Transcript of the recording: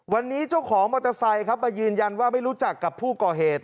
วันนี้เจ้าของมอเซย์มันยืนยันว่าไม่รู้จักกับผู้ก่อเหตุ